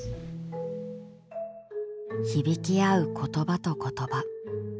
響き合う言葉と言葉。